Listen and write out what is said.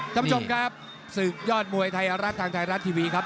ท่านผู้ชมครับศึกยอดมวยไทยรัฐทางไทยรัฐทีวีครับ